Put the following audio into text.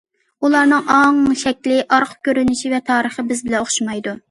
ئۇلارنىڭ ئاڭ شەكلى، ئارقا كۆرۈنۈشى ۋە تارىخى بىز بىلەن ئوخشىمايدۇ.